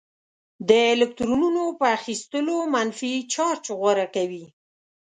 د الکترونونو په اخیستلو منفي چارج غوره کوي.